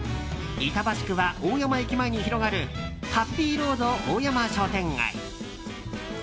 板橋区は大山駅前に広がるハッピーロード大山商店街。